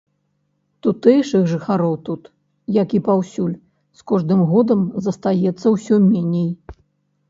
Тутэйшых жыхароў тут, як і паўсюль, з кожным годам застаецца ўсё меней.